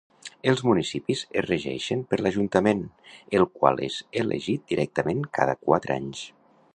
Els municipis es regeixen per l'ajuntament, el qual és elegit directament cada quatre anys.